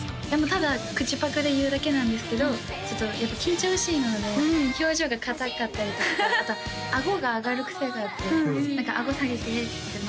ただ口パクで言うだけなんですけどちょっと緊張しいなので表情が硬かったりとかあとあごが上がるクセがあって「あご下げてね」って